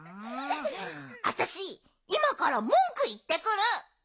あたしいまからもんくいってくる！